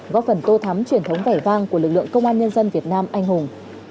góp phần tô thắm truyền thống vẻ vang của lực lượng công an nhân dân việt nam anh hùng